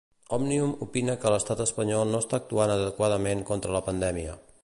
Òmnium opina que l'Estat espanyol no està actuant adequadament contra la pandèmia.